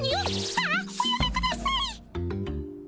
ああおやめください。